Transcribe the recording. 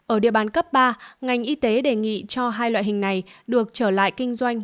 ở địa bàn cấp ba ngành y tế đề nghị cho hai loại hình này được trở lại kinh doanh